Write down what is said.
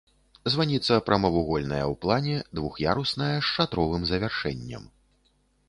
Званіца прамавугольная ў плане, двух'ярусная, з шатровым завяршэннем.